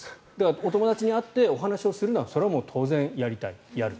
お友達に会ってお話をするのは当然やりたいやる。